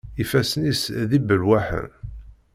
Ifassen-is d ibelwaḥen.